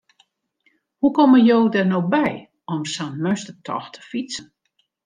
Hoe komme jo der no by om sa'n meunstertocht te fytsen?